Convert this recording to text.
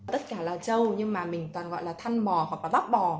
tất cả là châu nhưng mà mình toàn gọi là thanh bò hoặc là bắp bò